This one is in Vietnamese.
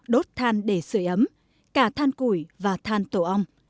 đốt than để sửa ấm cả than củi và than tổ ong